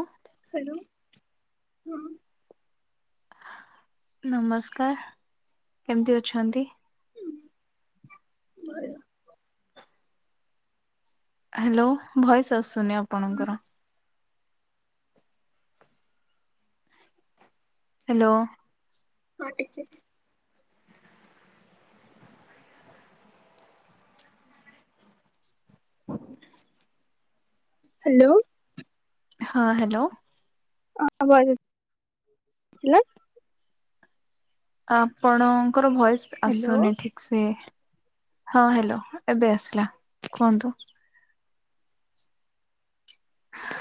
ଅଁ ହାଲୋ, ହଁ। ନମସ୍କାର କେମତି ଅଛନ୍ତି? ହାଲୋ ଭଏସ ଆସୁନି ଆପଣଙ୍କର। ହ୍ୟାଲୋ। ହଁ ଟିକେ। [unintelligible] ହ୍ୟାଲୋ। ହଁ ହ୍ୟାଲୋ। ଅଁ ଭଏସ ସିଲା। ଆପଣଙ୍କର ଭଏସ ହ୍ୟାଲୋ ଆସୁନି ଠିକ୍ ସେ ହଁ ହ୍ୟାଲୋ ଏବେ ଆସିଲା କୁହନ୍ତୁ।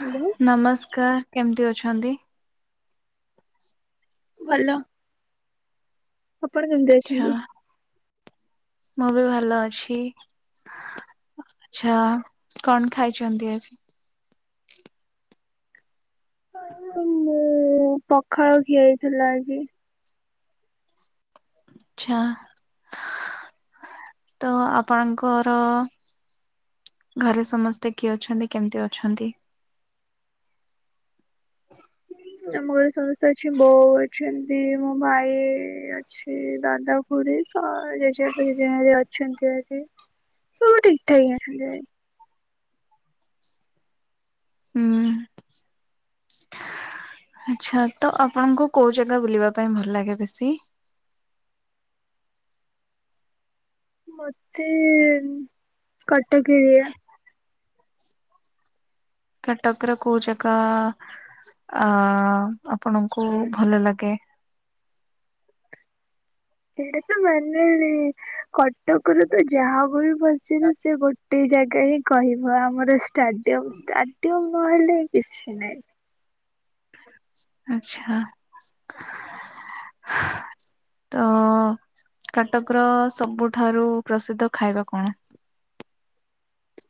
ହ୍ୟାଲୋ ନମସ୍କାର କେମତି ଅଛନ୍ତି? ଭଲ। ଆପଣ କେମିତି ଆଚ୍ଛା ଅଛନ୍ତି? ମୁଁ ବି ଭଲ ଅଛି। ଆଚ୍ଛା କଣ ଖାଇଛନ୍ତି ଆଜି? ପଖାଳ ଖିଆ ହେଇଥିଲା ଆଜି। ଆଚ୍ଛା ତ ଆପଣଙ୍କର ଘରେ ସମସ୍ତେ କିଏ ଅଛନ୍ତି, କେମିତି ଅଛନ୍ତି? ଆମ ଘରେ ସମସ୍ତେ ଅଛି ବୋଉ ଅଛନ୍ତି, ମୋ ଭାଇ ଅ ଅଛି ଦାଦା, ଖୁଡୀ ତ ଜେଜେବାପା, ଜେଜେମା ହରିକା ଅଛନ୍ତି ଭାରି। ସବୁ ଠିକ୍ ଠାକ୍ ଆସିଲେ। ହୁଁ। ଆଛା ତ ଆପଣଙ୍କୁ କୋଉ ଜାଗା ବୁଲିବା ପାଇଁ ଭଲ ଲାଗେ ବେଶୀ? ମତେ କଟକ ଏରିଆ। କଟକ ର କୋଉ ଜାଗା ଆ ଆପଣଙ୍କୁ ଭଲ ଲାଗେ? ଏଇଟା ତ ମାନେ କଟକରେ ତ ଯାହାବ ବି ବସ ପଚାରିବ ସେ ଗୋଟେ ଜାଗା ହିଁ କହିବ ଆମର ଷ୍ଟାଡିୟମ ଷ୍ଟା ଷ୍ଟାଡିୟମ୍ ନହେଲେ କିଛି ନାହିଁ। ଆଚ୍ଛା। ତ କାଟକର ସବୁଠାରୁ ପ୍ରସିଦ୍ଧ ଖାଇବା କଣ?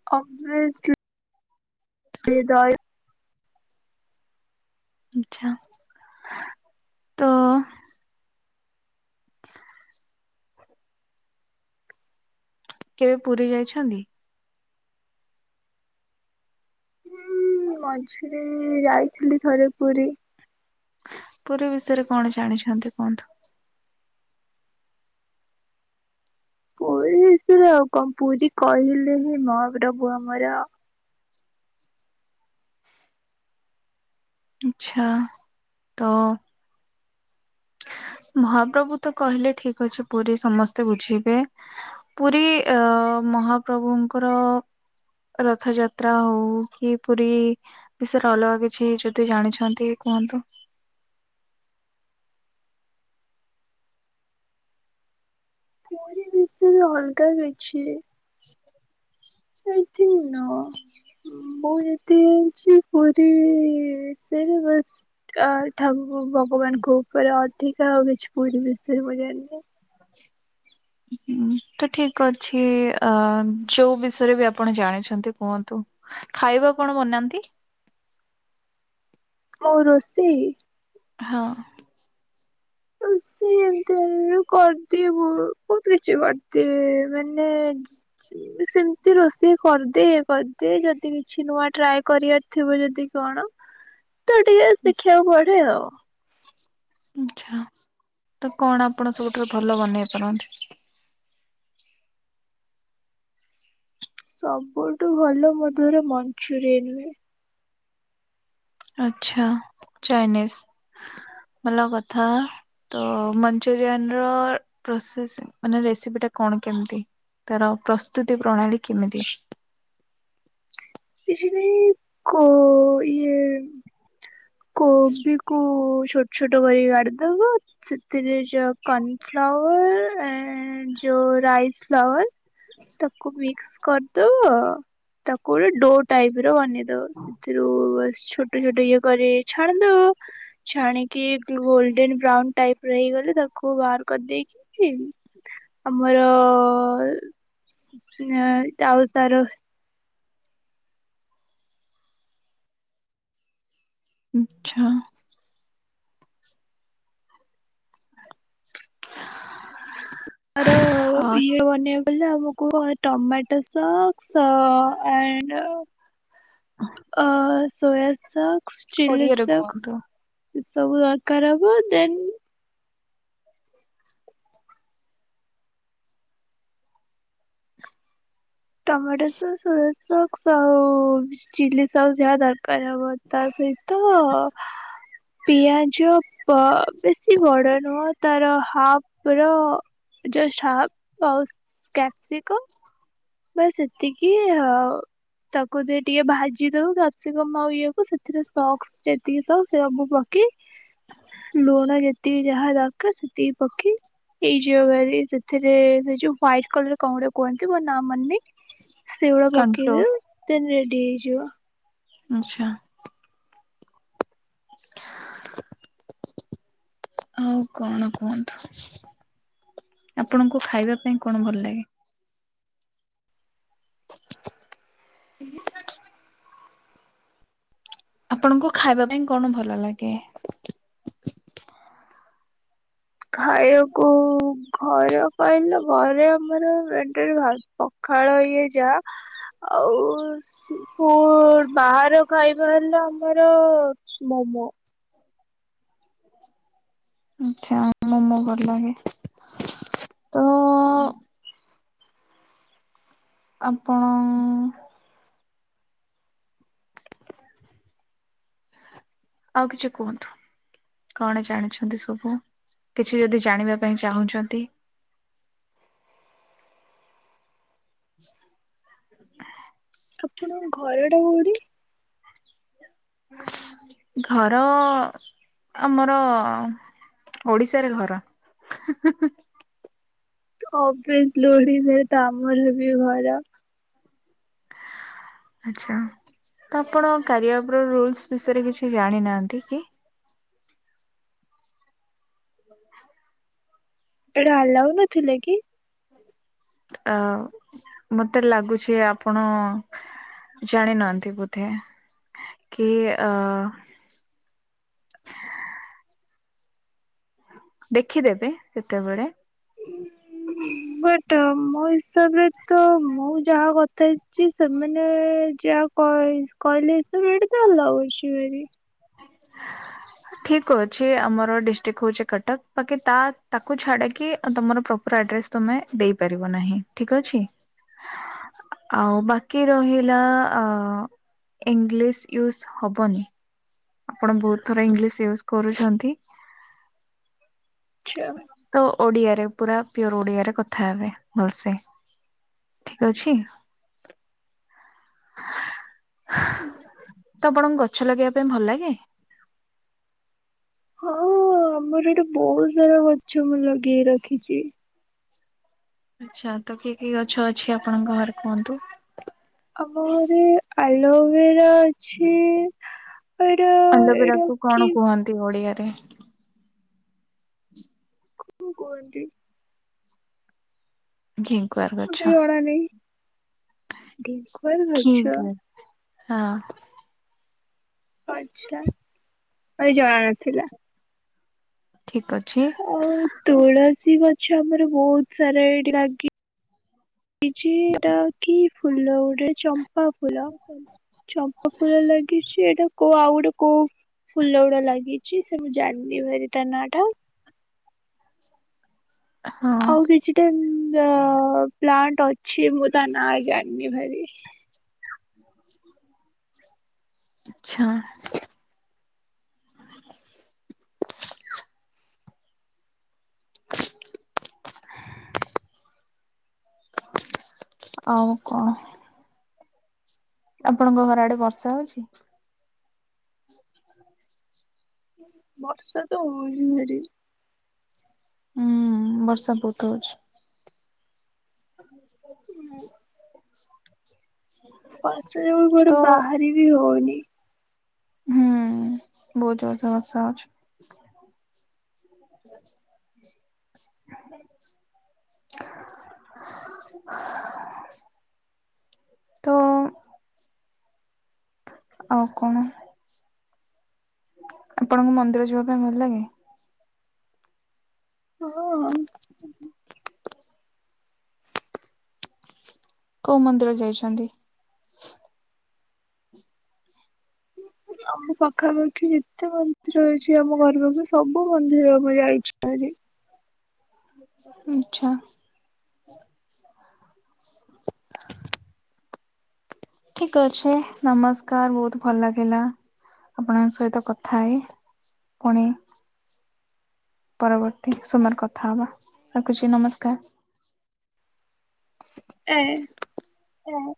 [unintelligible] ଦହି ଆଛା ତ କେବେ ପୁରୀ ଯାଇଛନ୍ତି? ଉଁ ମଝିରେ ଯାଇଥିଲି ଥରେ ପୁରୀ। ପୁରୀ ବିଷୟରେ କଣ ଜାଣିଛନ୍ତି କୁହନ୍ତୁ? ପୁରୀ ବିଷୟରେ ଆଉ କଁ ପୁରୀ କହିଲେ ହିଁ ମହାପ୍ରଭୁ ଆମର ଆଚ୍ଛା ତ। ମହାପ୍ରଭୁ ତ କହିଲେ ଠିକ୍ ଅଛି ପୁରୀ ସମସ୍ତେ ବୁଝିବେ। ପୁରୀ ଅ ମହାପ୍ରଭୁଙ୍କର। ରଥଯାତ୍ରା ହୋଉ କି ପୁରୀ ବିଷୟରେ ଅଲଗା କିଛି ଯଦି ଜାଣିଛନ୍ତି କୁହନ୍ତୁ? ପୁରୀ ବିଷୟରେ ଅଲଗା କିଛି। [inaudible] ଆଇଥିଙ୍କ୍ ନ ମୁଁ ଯେତେ ଅଛି ପୁରୀ ସେ [unintelligible] ଆ ଠାକୁ ଭଗବାନଙ୍କ ଉପରେ ଅଧିକା ଆଉ କିଛି ପୁରୀ ବିଷୟରେ ମୁଁ ଜାଣିନି। ହୁଁ। ତ ଠିକ୍ ଅଛି ଆ ଯୋଉ ବିଷୟରେ ବି ଆପଣ ଜାଣିଛନ୍ତି କୁହନ୍ତୁ? ଖାଇବା କଣ ବନାନ୍ତି? ମୋ ରୋଷେଇ। ହଁ। ରୋଷେଇ ଏମିତି ଏଫ୍ କର୍। ତିଏ ବୋହୁ ବୋହୁତ୍ କିଛି ବାର୍ଦିଏ ମାନେ ସେମିତି ରୋଷେଇ କରିଦିଏ କରିଦିଏ ଯଦି କିଛି ନୂଆ ଟ୍ରାଏ କରିବା ଥିବ ଯଦି କଣ ତ ଟିକେ ଶିଖିବାକୁ ପଡେ ଆଉ। ଆଛା ତ କଣ ଆପଣ ସବୁଠାରୁ ଭଲ ବନେଇ ପାରନ୍ତି? ସବୁଠୁ ଭଲ ମୋ ଦ୍ୱାରା ମଞ୍ଚୁରିଆନ୍ ହୁଏ। ଆଚ୍ଛା ଚାଇନିଜ ଭଲା କଥା। ତ ମଞ୍ଚୁରିଆନ ର ପ୍ରସେସ୍ ମାନେ ରେସିପି ଟା କଣ କେମତି? ତାର ପ୍ରସ୍ତୁତି ପ୍ରଣାଳୀ କେମିତି? କିଛି ନାଇଁ କୋଉ ଇଏ କୋବି କୁ ଛୋଟ ଛୋଟ କରିକି କାଟି ଦବ। ସେଥିରେ ଯୋଉଁ କର୍ନ ଫ୍ଲାୱର୍ ଆଁ ଯୋଉ ରାଇସ୍ ଫ୍ଲାୱାର୍। ତାକୁ ମିକ୍ସ୍ କରିଦବ ତାକୁ ଗୋଟେ ଡୋ ଟାଇପ୍ ର ବନେଇ ସେଥିରୁ ବାସ୍ ଛୋଟ ଛୋଟ ଇଏ କରି ଛାଣି ଦବ। ଛାଣିକି ଗୋଲଡେନ ବ୍ରାଉନ୍ ଟାଇପ୍ ର ହେଇଗଲେ ତାକୁ ବାହାର କରିଦେଇକି ଚି ଆମର [unintelligible] ଯାଉ ତାର। ଉଁ ଛ। ତାର ଅ ଇଏ ବନେ କହିଲେ ଆମକୁ କ ଟମାଟ ସକ୍ସ ଆଣ୍ଡ ଅ ସୋୟା ସକସ ଚିଲ୍ଲୀ ଓଡିଆରେ ସକସ। କୁହନ୍ତୁ ଏ ସବୁ ଦରକାର ହବ ଦେନ୍ ଟମାଟ ସସ ସୋୟା ସକସ ଆଉ ଚିଲ୍ଲୀ ସସ ଯାହା ଦରକାର ହବ ତା ସହିତ ପିଆଜ ପ ବେଶୀ ବଡ଼ ନୁହଁ ତାର ହାପ ର ଯଉ ସକ ଆଉ କ୍ୟପ୍ସିକମ୍ ବାସ୍ ସେତିକି ଆଉ ତାକୁ ଦେଇ ଟିକେ ଭାଜି ଦବୁ କ୍ୟପ୍ସିକମ୍ ଆଉ ଇଏକୁ ସେ ତିରେ ସକ୍ସ ଯେତିକି ସକ୍ ସବୁ ପକି ଲୁଣ ଯେତି ତିକି ଯାହା ଦର୍କାର ସେତିକି ପକି ଏଇ ଯୋଉ [unintelligible] ଥିରେ ସେ ଯୋଉ ହ୍ୱାଇଟ କଲର କଂ ଗୋଟେ କୁହନ୍ତି ମୋ ନା ମନ ନି ସେଇଗୁରା ପକେଇ ଦବୁ। କନଫ୍ଲୋର ସେ ରେଡ଼ି ହେଇଯିବ। ଆଛା। [inaudible] ହଉ କଣ କୁହନ୍ତୁ ଆପଣଙ୍କୁ ଖାଇବା ପାଇଁ କଣ ଭଲ ଲାଗେ? [inaudible] ଆପଣଙ୍କୁ ଖାଇବା ପାଇଁ କଣ ଭଲ ଲାଗେ? ଖାଇବାକୁ ଘରେ ପାଇ ନା ଘରେ ଆମର ରେ ରେ ଭା ପଖାଳ ଇଏ ଯା ଆଉ ସେ ହଁ ବାହାର ଖାଇବା ହେଲା ଆମର ମୋମୋ। ଆଚ୍ଛା ମୋମୋ ଭଲ ଲାଗେ। ତ [inaudible] ଆପଣ ଆଉ କିଛି କୁହନ୍ତୁ? କଣ ଜାଣିଛନ୍ତି ସବୁ କିଛି ଯଦି ଜାଣିବା ପାଇଁ ଚାହୁଁଛନ୍ତି? [inaudible] ଆପଣଙ୍କ ଘରଟା କୋଉଠି? ଘର ଆମର ଓଡିଶାରେ ଘର। [unintelligible] ଆମର ବି ଘର। ଆଚ୍ଛା ତ ଆପଣ କାରିଆପ୍ ର ରୁଲସ୍ ବିଷୟରେ କିଛି ଜାଣିନାହାନ୍ତି କି? ଏଇଟା ଆଲାଉ ନଥିଲେ କି? ଅ ମତେ ଲାଗୁଛି ଆପଣ ଜାଣିିନହାନ୍ତି ବଧେ କି ଅ ଦେଖିଦେବେ ସେତେବେଳେ। ବଟ ମୋ ହିସାବ ରେ ତ ମୁଁ ଯାହା କଥା ହେଛି ସେମାନେ ଯାହା କହି କହିଲେ [unintelligible] ଆଲାଉ ଅଛିି ବୋଲି। [inaudible] ଠିକ ଅଛି ଆମର ଡିଷ୍ଟ୍ରିକ ହଉଛି କଟକ ବାକି ତା ତାକୁ ଛାଡିକି ତ ତମର ପ୍ରପର ଆଡ୍ରେସ ତମେ ଦେଇପାରିବ ନାହିଁ ଠିକ ଅଛି। ଆଉ ବାକି ରହିଲା ଆ ଇଂଲିଶ ୟୁସ୍ ହବନି। ଆପଣ ବହୁତ ଥର ଇଂଲିଶ ୟୁସ୍ କରୁଛନ୍ତି। ଆଚ୍ଛା। ତ ଓଡିଆରେ ପୁରା ପିଓର ଓଡିଆରେ କଥା ହେବେ ଭଲସେ ଠିକ ଅଛି। [inaudible] ତ ଆପଣଙ୍କୁ ଗଛ ଲଗେଇବା ପାଇଁ ଭଲ ଲାଗେ। ହଁ ଆମର ଏଠି ବହୁତ ସାରା ଗଛ ମୁଁ ଲଗେଇ ରଖିଚି। ଆଚ୍ଛା ତ କି କି ଗଛ ଅଛି ଆପଣଙ୍କ ଘରେ କୁହନ୍ତୁ। ଆମ ଘରେ ଆଲୋଭେରା ଅ ଛି ଏଇଟା ଏଇଟା ଆଲୋବେରାକୁ କଣ କିି କୁହନ୍ତି ଓଡିଆରେ। ଖୁ କୁହନ୍ତି। ଘିଁ କୁଅଁର ଗଛ। ଘିଁ କୁଅଁର ଗଛ। ଘିକୁଆଁର ହଁ। ଆଛା ଆ ଜଣାନଥିଲା। ଠିକ ଅଛି। ଆଉ ତୁଳସୀ ଗଛ ଆମର ବହୁତ ସାରା ଏଠି ଲାଗେ। ଛି ଏଟା କି ଫୁଲ ଗୋଟେ ଚମ୍ପା ଫୁଲ ଚମ୍ପା ଫୁଲ ଲାଗିଛି ଏଇଟା କୋଉ ଆଉ ଗୋଟେ କୋଉ ଫୁଲ ଗୁଡା ଲାଗିଛି ସେ ମୁଁ ଜାଣିନି ଭାରି ତା ନାଁ ଟା। ହଁ ଆଉ କିଛିଟା ଅ ପ୍ଲାଣ୍ଟ ଅଛି ମୁଁ ତା ନାଁ ଜାଣିନି ଭାରି। [inaudible] ଆଛା। [inaudible] ଆଉ କଣ? ଆପଣଙ୍କ ଘର ଆଡେ ବର୍ଷା ହଉଛି? ବର୍ଷା ତ ହୋଉଛି ଭାରି। ଉଁ ବର୍ଷା ବହୁତ ହଉଛି। ହ ବର୍ଷା ଯୋଗୁ କୁଆଡେ ବାହାରି ବି ହଉନି। ହୁଁ ବହୁତ ଜୋରେ ତ ବର୍ଷା ହୋଉଛି। [unintelligible] [unintelligible] ତ ଆଉ କଣ ଆପଣଙ୍କୁ ମନ୍ଦିର ଯିବା ପାଇଁ ଭଲ ଲାଗେ? ହଁ। ହ କୋଉ ମନ୍ଦିର ଯାଇଛନ୍ତି? ଆମ ପାଖାପାଖି ଯେତେ ମନ୍ଦିର ଅଛି ଆମ ଘର ପାଖରେ ସବୁ ମନ୍ଦିର ମୁଁ ଯାଇଛି ଭାରି। ଆଚ୍ଛା। ଠିକ ଅଛି ନମସ୍କାର ବହୁତ ଭଲ ଲାଗିଲା। ଆପଣଙ୍କ ସହିତ କଥା ହେଇ ପୁଣି ପରବର୍ତ୍ତୀ ସୋମାବାର କଥା ହବା ରଖୁଛି ନମସ୍କାର। ଆଁ ହଁ।